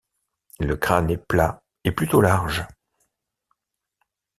Le crâne est plat et plutôt large.